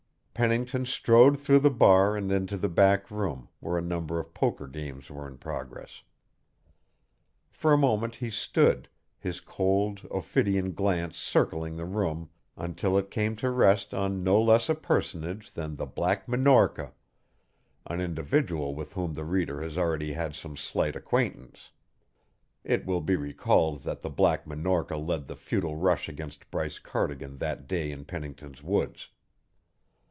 Pennington strode through the bar and into the back room, where a number of poker games were in progress. For a moment he stood, his cold, ophidian glance circling the room until it came to rest on no less a personage than the Black Minorca, an individual with whom the reader has already had some slight acquaintance. It will be recalled that the Black Minorca led the futile rush against Bryce Cardigan that day in Pennington's woods.